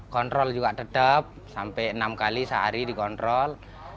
kontrol juga tetap sampai enam kali sehari dikontrol